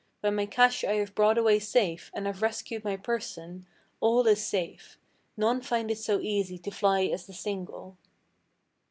When my cash I have brought away safe, and have rescued my person, All is safe: none find it so easy to fly as the single."